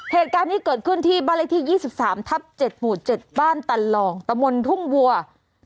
เหตุการณ์นี้เกิดขึ้นที่บริษฐี๒๓ทัพ๗หมู่๗บ้านตลองประมวลทุ่งวัง